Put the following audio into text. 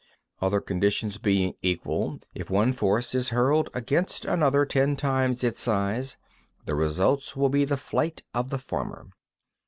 15. Other conditions being equal, if one force is hurled against another ten times its size, the result will be the flight of the former.